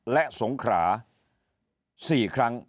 และสงขรา๔ครั้ง